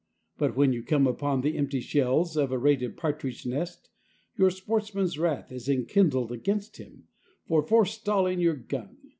But when you come upon the empty shells of a raided partridge nest, your sportsman's wrath is enkindled against him for forestalling your gun.